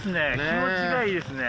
気持ちがいいですね。